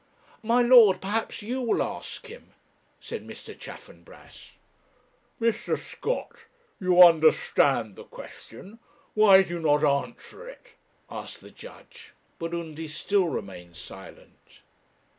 'My lord, perhaps you will ask him,' said Mr. Chaffanbrass. 'Mr. Scott, you understand the question why do you not answer it?' asked the judge. But Undy still remained silent.